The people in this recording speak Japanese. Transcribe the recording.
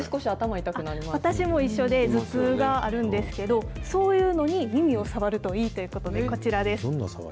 私も一緒で、頭痛があるんですけど、そういうのに耳を触るといいということで、こちらです。